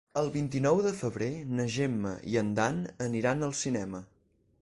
El vint-i-nou de febrer na Gemma i en Dan aniran al cinema.